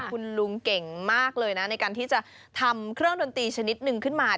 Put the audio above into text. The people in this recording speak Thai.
คุณลุงเก่งมากเลยนะในการที่จะทำเครื่องดนตรีชนิดหนึ่งขึ้นมา